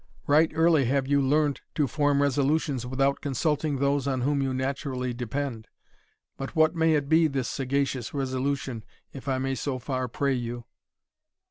right early have you learned to form resolutions without consulting those on whom you naturally depend. But what may it be, this sagacious resolution, if I may so far pray you?"